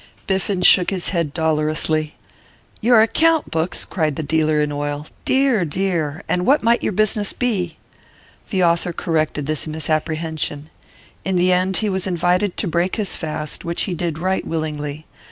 Biffen shook his head dolorously. 'Your account books!' cried the dealer in oil. 'Dear, dear! and what might your business be?' The author corrected this misapprehension. In the end he was invited to break his fast, which he did right willingly.